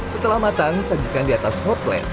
setelah matang sajikan di atas hot plate